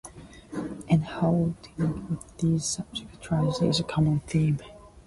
In holding with these subjects, tragedy is a common theme.